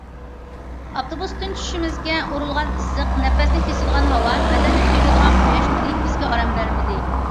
ئاپتوبۇستىن چۈشۈشىمىزگە ئۇرۇلغان ئىسسىق، نەپەسنى كېسىدىغان ھاۋا، بەدەننى كۆيدۈرىدىغان قۇياش نۇرى بىزگە ئارام بەرمىدى.